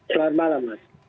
selamat malam mas